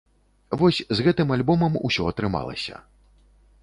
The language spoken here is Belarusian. Вось з гэтым альбомам усё атрымалася.